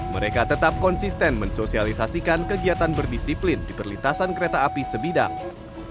mereka tetap konsisten mensosialisasikan kegiatan berdisiplin di perlintasan kereta api sebidang